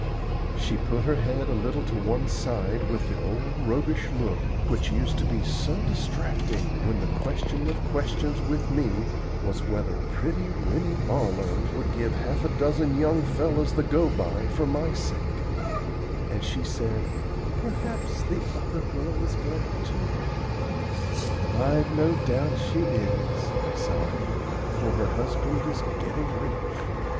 She put her head a little to one side with the old roguish look which used to be so distracting when the question of questions with me was whether pretty Winnie Barlow would give half a dozen young fellows the go by for my sake, and she said, "Perhaps the other girl is glad too." "I've no doubt she is," I sighed, "for her husband is getting rich.